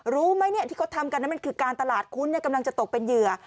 รู้ไหมที่เขาทำกันนั้นมันคือการตลาดคุณกำลังจะตกเป็นเหยื่อ